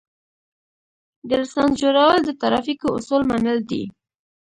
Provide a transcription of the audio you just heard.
د لېسنس جوړول د ترافیکو اصول منل دي